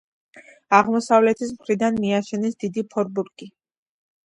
აღმოსავლეთის მხრიდან მიაშენეს დიდი ფორბურგი.